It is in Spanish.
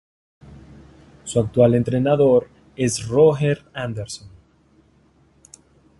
Su actual entrenador es Roger Anderson.